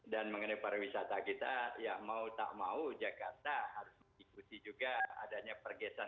dan mengenai pariwisata kita ya mau tak mau jakarta harus ikuti juga adanya pergeseran